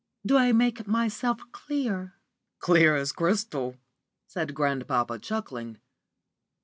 Do I make myself clear?" "Clear as crystal," said grandpapa, chuckling.